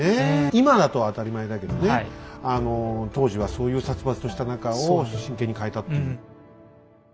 今だと当たり前だけどね当時はそういう殺伐とした中を真剣に変えたっていう。